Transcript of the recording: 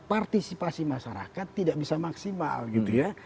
partisipasi masyarakat tidak bisa maksimal gitu ya